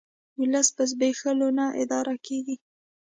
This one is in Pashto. ولس په زبېښولو نه اداره کیږي